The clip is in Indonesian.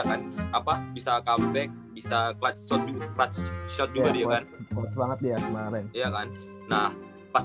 kan apa bisa comeback bisa clutch shot juga dia kan clutch banget dia kemarin iya kan nah pas